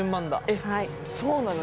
えっそうなの？